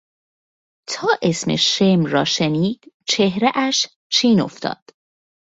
تا اسم شمر را شنید چهرهاش چین افتاد.